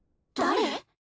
誰？